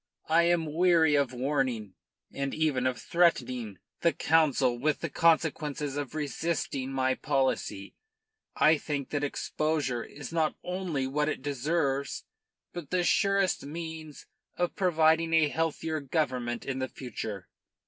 I am weary of warning, and even of threatening, the Council with the consequences of resisting my policy. I think that exposure is not only what it deserves, but the surest means of providing a healthier government in the future.